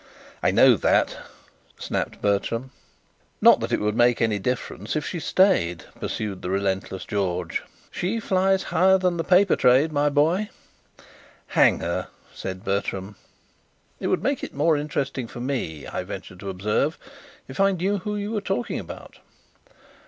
"I know that," snapped Bertram. "Not that it would make any difference if she stayed," pursued the relentless George. "She flies higher than the paper trade, my boy!" "Hang her!" said Bertram. "It would make it more interesting for me," I ventured to observe, "if I knew who you were talking about."